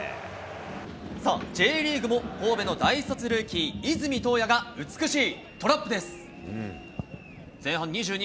Ｊリーグも神戸の大卒ルーキー、泉とおやが美しいトラップです。